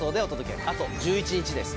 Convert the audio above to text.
あと１１日です。